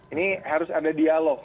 ini harus ada dialog